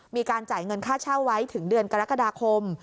มีการจ่ายเงินค่าเช่าไว้ถึงเดือนกรกฎาคม